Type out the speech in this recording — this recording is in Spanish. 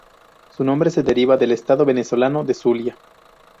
Su nombre se derivaba del estado venezolano de Zulia.